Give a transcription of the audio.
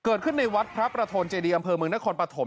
เกิดขึ้นในวัดพระประโทนเจดีอำเภอเมืองนครปฐม